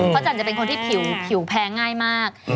จันจะเป็นคนที่ผิวแพ้ง่ายมาก